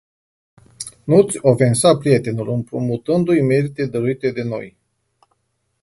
Nu-ți ofensa prietenul împrumutîndu-i merite dăruite de noi.